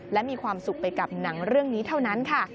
และมีความสุขไปกับหนังเรื่องนี้เท่านั้นค่ะ